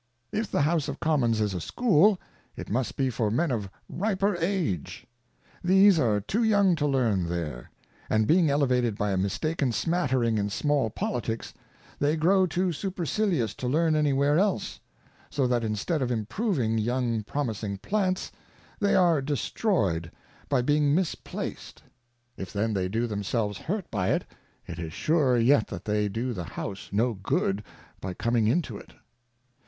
If the House of Commons is a School, it must be for Men of riper Age ; these are too young to learn there, and being elevated by a mistaken smattering in small Politicks, they grow too supercilious to learn any where else ; so that instead of improving young promising Plants, they are destroy'd by being misplac'd. 152 Cautiojis for Choice of If then they do themselves hurt hy it, it is surer yet that they do the House no good by coming into it.